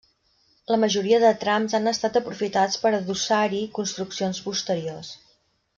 La majoria de trams han estat aprofitats per adossar-hi construccions posteriors.